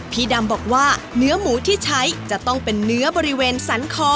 พี่ดำบอกว่าเนื้อหมูที่ใช้จะต้องเป็นเนื้อบริเวณสันคอ